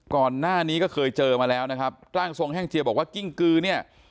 ก่อนหน้านี้ก็เคยเจอมาแล้วนะครับร่างทรงแห้งเจียบอกว่ากิ้งกือเนี่ย